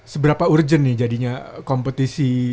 seberapa urgent nih jadinya kompetisi